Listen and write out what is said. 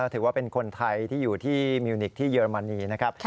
ถือว่าเป็นคนไทยที่อยู่ที่มิวนิกที่เยอรมนีนะครับ